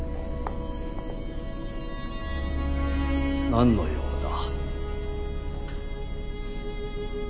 何の用だ？